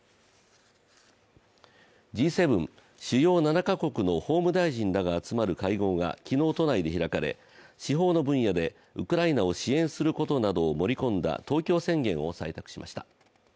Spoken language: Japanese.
Ｇ７＝主要７か国の法務大臣らが集まる会合が昨日都内で開かれ、司法の分野でウクライナを支援することなどを盛り込んだ東京宣言を採択しました。